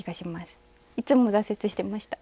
いつも挫折してました。